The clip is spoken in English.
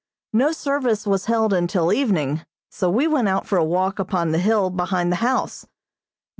No service was held until evening, so we went out for a walk upon the hill behind the house.